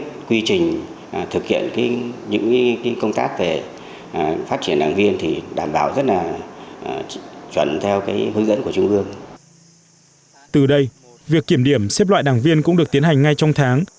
từ đây việc kiểm điểm xếp loại đảng viên cũng được tiến hành ngay trong tháng